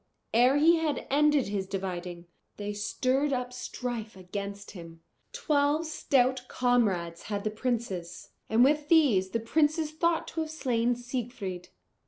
ere he had ended his dividing, they stirred up strife against him. Twelve stout comrades had the princes, and with these the princes thought to have slain Siegfried.